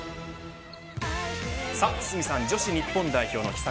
堤さん、女子日本代表の秘策